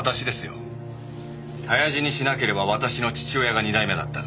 早死にしなければ私の父親が２代目だった。